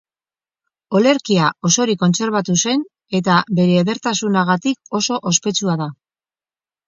Olerkia osorik kontserbatu zen eta bere edertasunagatik oso ospetsua da.